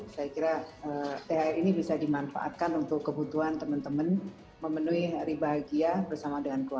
saya kira thr ini bisa dimanfaatkan untuk kebutuhan teman teman memenuhi hari bahagia bersama dengan keluarga